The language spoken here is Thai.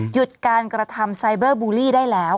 หยุดการกระทำไซเบอร์บูลลี่ได้แล้ว